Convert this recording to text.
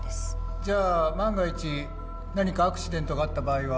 じゃあ万が一何かアクシデントがあった場合は。